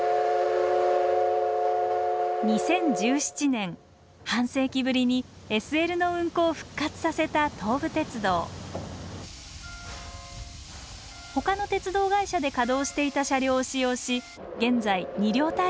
２０１７年半世紀ぶりにＳＬの運行を復活させた東武鉄道ほかの鉄道会社で稼働していた車両を使用し現在２両体制で運行中です